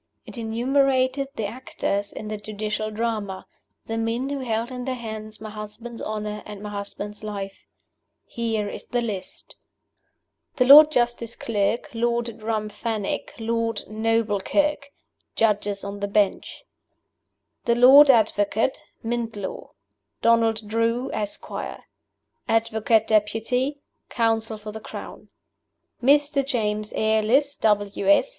It enumerated the actors in the Judicial Drama the men who held in their hands my husband's honor and my husband's life. Here is the List: THE LORD JUSTICE CLERK,} LORD DRUMFENNICK, }Judges on the Bench. LORD NOBLEKIRK, } THE LORD ADVOCATE (Mintlaw), } DONALD DREW, Esquire (Advocate Depute).} Counsel for the Crown. MR. JAMES ARLISS, W. S.